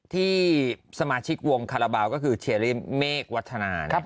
ที่สมาชิกวงคาระเบ้าก็คือเชียรี่เมควัฒนา